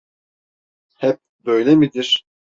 Hep böyle midir?